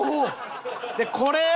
でこれを。